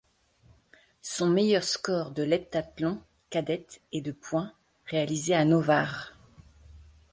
Son meilleur score de l'heptathlon cadettes est de points, réalisé à Novare.